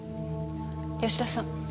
吉田さん。